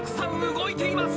動いています。